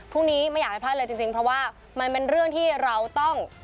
ไม่อยากให้พลาดเลยจริงเพราะว่ามันเป็นเรื่องที่เราต้อง